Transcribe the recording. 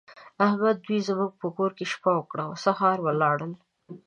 احمد دوی زموږ په کور کې شپه وکړه او سهار ولاړل.